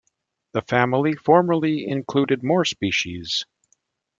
The family formerly included more species.